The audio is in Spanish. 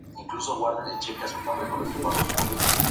Zanella estudió danza clásica en su ciudad natal.